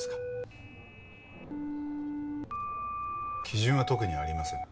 基準は特にありません。